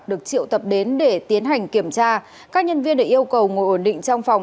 được triệu tập đến để tiến hành kiểm tra các nhân viên được yêu cầu ngồi ổn định trong phòng